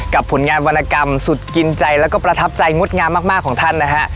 ผลงานวรรณกรรมสุดกินใจแล้วก็ประทับใจงดงามมากของท่านนะฮะ